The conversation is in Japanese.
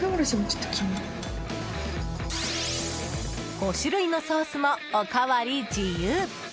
５種類のソースもおかわり自由。